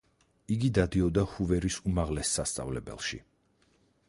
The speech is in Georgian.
იგი დადიოდა ჰუვერის უმაღლეს სასწავლებელში.